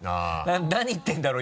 「何言ってるんだろう？